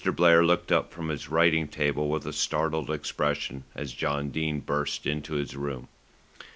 Blair looked up from his writing table with a startled expression as John Dene burst into his room.